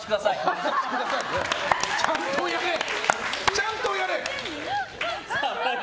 ちゃんとやれ！